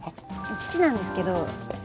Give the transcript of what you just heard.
父なんですけど。